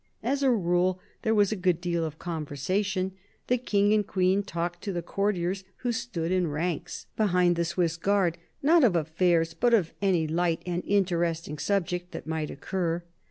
As a rule, there was a good deal of conversation. The King and Queen talked to the courtiers who stood in ranks 30 CARDINAL DE RICHELIEU behind the Swiss Guard; not of "affairs," but of any light and interesting subject that might occur.